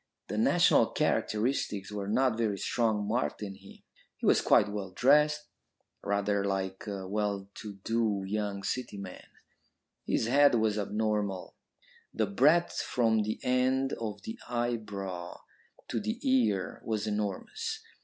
The national characteristics were not very strongly marked in him. He was quite well dressed, rather like a well to do young City man. His head was abnormal. The breadth from the end of the eyebrow to the ear was enormous.